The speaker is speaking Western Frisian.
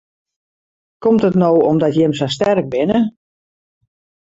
Komt it no omdat jim sa sterk binne?